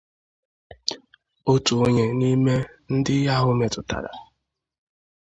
otu onye n'ime ndị ihe ahụ metụtara